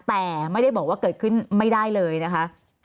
แต่ไม่ได้บอกว่าเกิดขึ้นไม่ได้เลยนะคะ